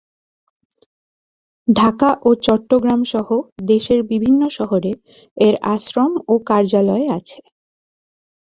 ঢাকা ও চট্টগ্রামসহ দেশের বিভিন্ন শহরে এর আশ্রম ও কার্যালয় আছে।